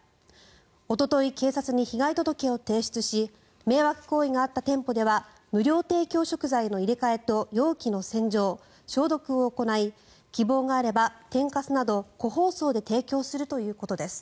おととい、警察に被害届を提出し迷惑行為があった店舗では無料提供食材の入れ替えと容器の洗浄・消毒を行い希望があれば天かすなど個包装で提供するということです。